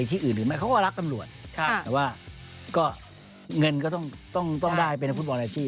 ต้องได้เป็นฟุตบอลอาชีพ